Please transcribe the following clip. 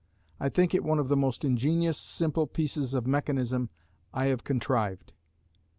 I think it one of the most ingenious simple pieces of mechanism I have contrived.